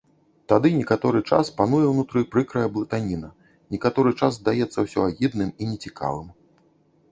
Тады некаторы час пануе ўнутры прыкрая блытаніна, некаторы час здаецца ўсё агідным і нецікавым.